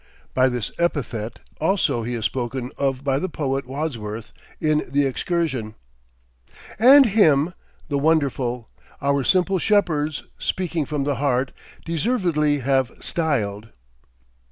By this epithet, also, he is spoken of by the poet Wordsworth, in the "Excursion:" "And him, the Wonderful, Our simple shepherds, speaking from the heart, Deservedly have styled."